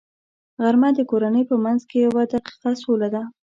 غرمه د کورنۍ په منځ کې یوه دقیقه سوله ده